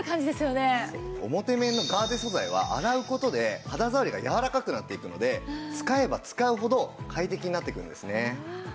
表面のガーゼ素材は洗う事で肌触りがやわらかくなっていくので使えば使うほど快適になっていくんですね。